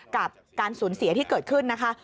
กับการสูญเสียที่เกิดขึ้นนะคะ